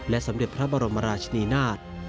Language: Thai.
และสำเร็จพระบรมราชนีนาฏ